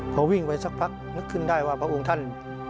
พอวิ่งไปสักพักนึกขึ้นได้ว่าพระองค์ท่าน